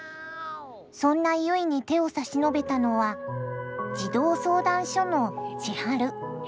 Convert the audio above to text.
そんな結に手を差し伸べたのは児童相談所の千春。